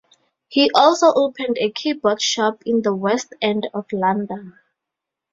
He also opened a keyboard shop in the West End of London.